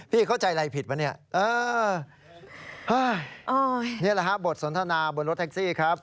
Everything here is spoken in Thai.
นี่แหละครับบทสนทนาบนรถแท็กซี่ครับ